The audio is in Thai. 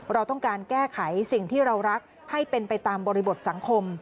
เราต้องการแก้ไขสิ่งที่เรารักให้เป็นไปตามบริบทสังคม